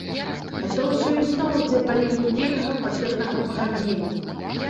А то ўсё ізноў ідзе па лініі нейкага пакетнага пагаднення!